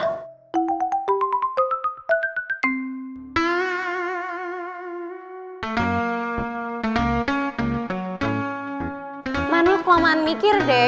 laman lo kelamaan mikir deh